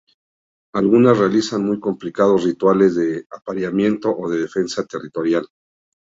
Algunas realizan muy complicados rituales de apareamiento o de defensa territorial.